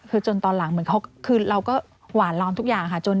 คือจนตอนหลังเหมือนเขาคือเราก็หวานล้อมทุกอย่างค่ะ